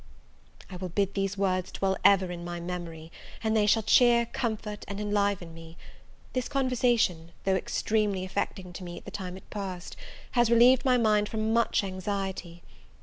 I will bid these words dwell ever in my memory, and they shall cheer, comfort, and enliven me! This conversation, though extremely affecting to me at the time it passed, has relieved my mind from much anxiety.